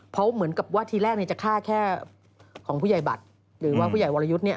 เพราะเหมือนกับว่าทีแรกเนี่ยจะฆ่าแค่ของผู้ใหญ่บัตรหรือว่าผู้ใหญ่วรยุทธ์เนี่ย